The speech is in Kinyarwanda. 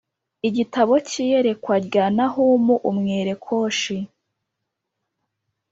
Igitabo cy’iyerekwa rya Nahumu Umwelekoshi.